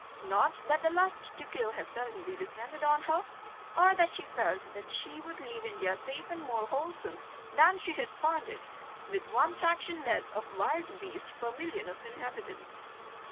Not that the lust to kill had suddenly descended on her, or that she felt that she would leave India safer and more wholesome than she had found it, with one fraction less of wild beast per million of inhabitants.